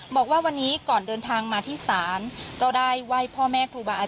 ลองไปฟังเสียงวันยากาศช่วงนี้กันค่ะ